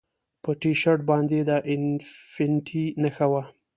په ټي شرټ باندې د انفینټي نښه وه